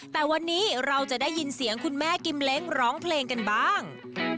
แต่วันนี้เราจะได้ยินเสียงคุณแม่กิมเล้งร้องเพลงกันบ้าง